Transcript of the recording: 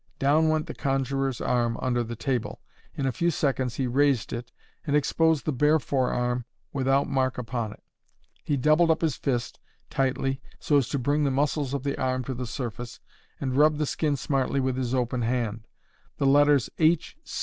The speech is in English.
Down went the conjurer's arm under the table. In a few seconds he raised it and exposed the bare forearm without mark upon it. He doubled up his fist tightly so as to bring the muscles of the arm to the surface, and rubbed the skin smartly with his open hand. The letters "H.